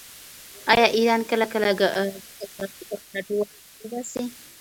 آیا ایران کله کله کډوال نه وباسي؟